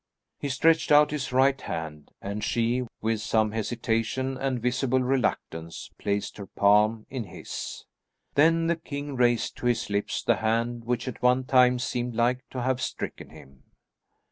He stretched out his right hand, and she, with some hesitation and visible reluctance placed her palm in his. Then the king raised to his lips the hand which at one time seemed like to have stricken him.